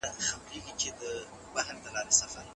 دې کتنې زما په زړه کې د امیدونو نوې ډیوې بلې کړې.